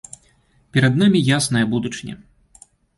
Перад намі ясная будучыня!